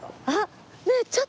あっ。